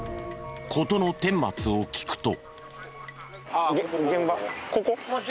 事の顛末を聞くと。